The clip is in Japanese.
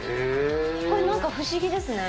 これ、なんか不思議ですね。